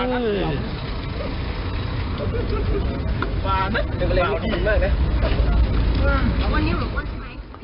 ปลานะ